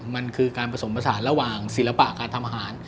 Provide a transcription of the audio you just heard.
มันคือการผสมผสานระหว่างศิลปะการทำอาหาร